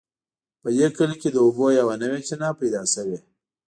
په دې کلي کې د اوبو یوه نوې چینه پیدا شوې